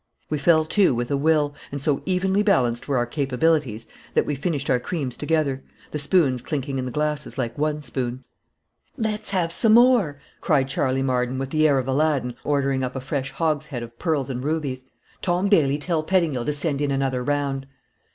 We fell to with a will, and so evenly balanced were our capabilities that we finished our creams together, the spoons clinking in the glasses like one spoon. "Let's have some more!" cried Charley Marden, with the air of Aladdin ordering up a fresh hogshead of pearls and rubies. "Tom Bailey, tell Pettingil to send in another round."